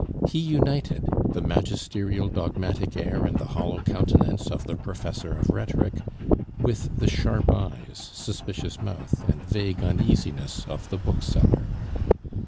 He united the magisterial, dogmatic air, and the hollow countenance of the professor of rhetoric with the sharp eyes, suspicious mouth, and vague uneasiness of the bookseller.